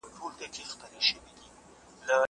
زه به اوږده موده موسيقي اورېدلې وم.